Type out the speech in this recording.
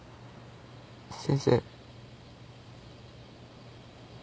先生。